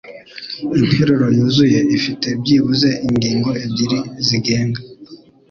Interuro yuzuye ifite byibuze ingingo ebyiri zigenga